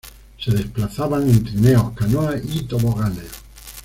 Se desplazaban en trineos, canoas y toboganes.